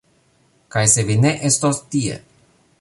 Kaj se vi ne estos tie!